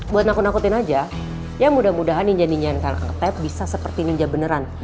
buat nakut nakutin aja ya mudah mudahan ninja ninja kang artep bisa seperti ninja beneran